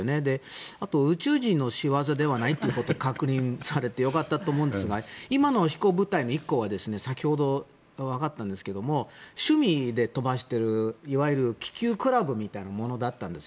あと、宇宙人の仕業ではないということを確認されてよかったと思うんですが今の飛行物体の１個は先ほどわかったんですが趣味で飛ばしているいわゆる気球クラブみたいなものだったんですよ。